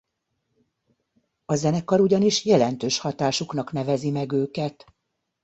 A zenekar ugyanis jelentős hatásuknak nevezi meg őket.